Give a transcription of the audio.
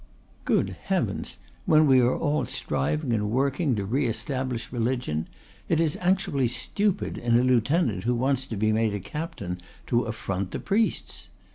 Good heavens! when we are all striving and working to re establish religion it is actually stupid, in a lieutenant who wants to be made a captain, to affront the priests.